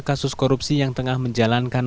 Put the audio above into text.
kasus korupsi yang tengah menjalankan